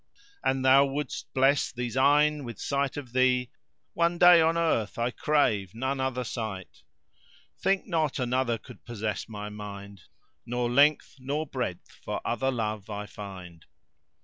An thou wouldst bless these eyne with sight of thee * One day on earth, I crave none other sight: Think not another could possess my mind * Nor length nor breadth for other love I find."